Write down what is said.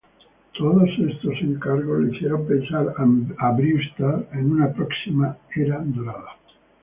Todos estos encargos le permitieron pensar a Brewster en una próxima era dorada.